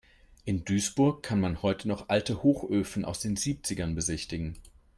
In Duisburg kann man heute noch alte Hochöfen aus den Siebzigern besichtigen.